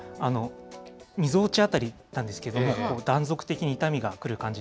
みぞおち辺りなんですけれども、断続的に痛みが来る感じ